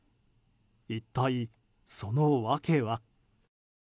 一体、その訳は。